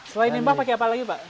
selain limbah pakai apa lagi pak